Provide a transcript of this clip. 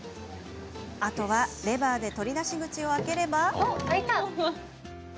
あとは、レバーで取り出し口を開ければ。